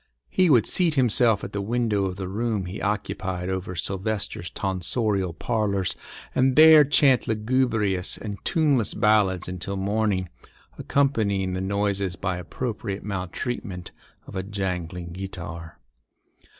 He would seat himself at the window of the room he occupied over Silvester's tonsorial parlours and there chant lugubrious and tuneless ballads until morning, accompanying the noises by appropriate maltreatment of a jangling guitar.